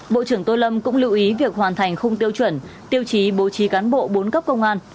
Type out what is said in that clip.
bộ trưởng tô lâm cũng lưu ý việc hoàn thành khung tiêu chuẩn tiêu chí bố trí cán bộ bốn cấp công an